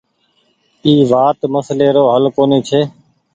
اي وآت مسلي رو هل ڪونيٚ ڇي۔